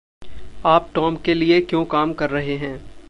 आप टॉम के लिये क्यों काम कर रहे हैं?